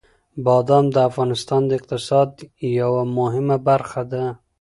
بادام د افغانستان د اقتصاد یوه مهمه برخه ده.